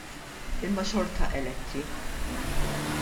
Imma xorta eletti.